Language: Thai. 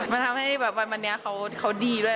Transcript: มันทำให้แบบวันนี้เขาดีด้วย